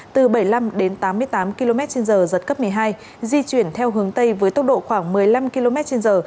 từ bảy mươi năm đến tám mươi tám km trên giờ giật cấp một mươi hai di chuyển theo hướng tây với tốc độ khoảng một mươi năm km trên giờ